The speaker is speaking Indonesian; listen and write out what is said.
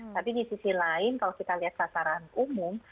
tapi di sisi lain kalau kita lihat sasaran umum